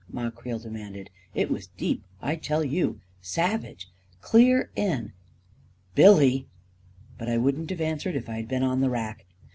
" Ma Creel demanded. " It was deep, I tell you — savage — clear in! Billy ..." But I wouldn't have answered if I had been on the rack.